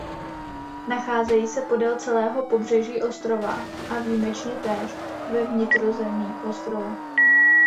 Nacházejí se podél celého pobřeží ostrova a výjimečně též ve vnitrozemí ostrova.